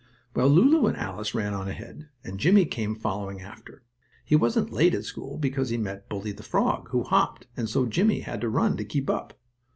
Well, Lulu and Alice ran on ahead, and Jimmie came following after. He wasn't late at school because he met Bully the frog, who hopped, and so Jimmie had to run to keep up.